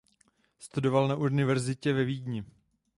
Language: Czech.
Studoval na univerzitě ve Vídni.